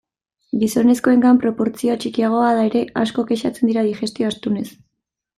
Gizonezkoengan proportzioa txikiagoa bada ere, asko kexatzen dira digestio astunez.